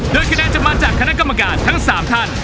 โดยคะแนนจะมาจากคณะกรรมการทั้ง๓ท่าน